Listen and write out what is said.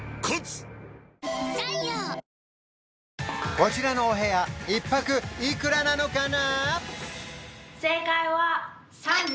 こちらのお部屋１泊いくらなのかな？